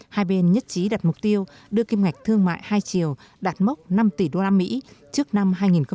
hai bên nhất trí đặt mục tiêu đưa kim ngạch thương mại hai triệu đạt mốc năm tỷ usd trước năm hai nghìn hai mươi